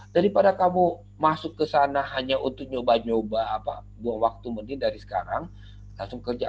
daripada kamu masuk ke sana hanya untuk nyoba nyoba waktu mending dari sekarang langsung kerja